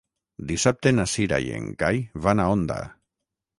Dissabte na Cira i en Cai van a Onda.